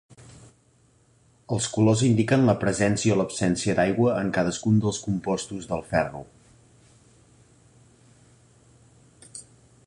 Els colors indiquen la presència o l'absència d'aigua en cadascun dels compostos del ferro.